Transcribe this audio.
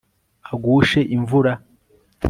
agushe imvura